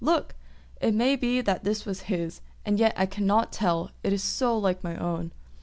Look! it may be that this was his; and yet I cannot tell, it is so like my own."